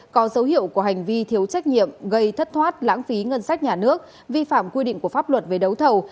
có dấu hiệu của hành vi thiếu trách nhiệm gây thất thoát lãng phí ngân sách nhà nước vi phạm quy định của pháp luật về đấu thầu